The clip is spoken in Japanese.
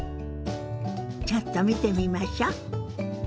ちょっと見てみましょ。